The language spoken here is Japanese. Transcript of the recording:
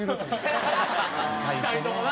２人ともな。